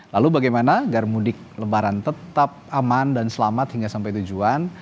lalu bagaimana agar mudik lebaran tetap aman dan selamat hingga sampai tujuan